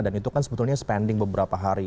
dan itu kan sebetulnya spending beberapa hari